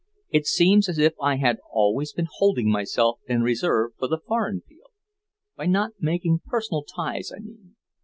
It seems as if I had always been holding myself in reserve for the foreign field, by not making personal ties, I mean.